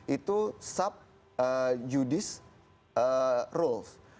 itu subjudis rukun